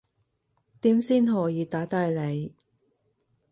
點先可以打低你